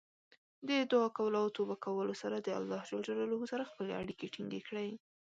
د دعا کولو او توبه کولو سره د الله سره خپلې اړیکې ټینګې کړئ.